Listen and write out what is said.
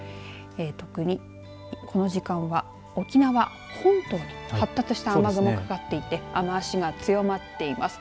特に、この時間は沖縄本島に発達した雨雲がかかっていて雨足が強まっています。